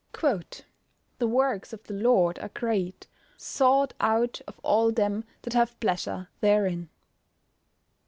[Verse: "The works of the Lord are great, sought out of all them that have pleasure therein."